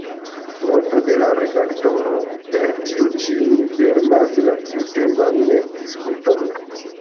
Noto de la redaktoro: Per tiu ĉi ni fermas la tiuteman diskuton.